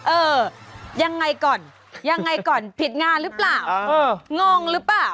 เออยังไงก่อนยังไงก่อนผิดงานหรือเปล่างงหรือเปล่า